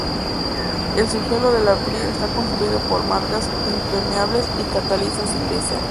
El subsuelo de la Brie está constituido por margas impermeables y caliza silícea.